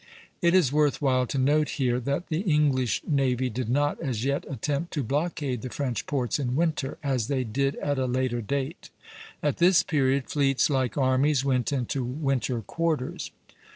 It is worth while to note here that the English navy did not as yet attempt to blockade the French ports in winter, as they did at a later date. At this period fleets, like armies, went into winter quarters.